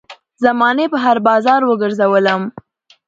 زمانې په هـــــر بازار وګرځــــــــــولم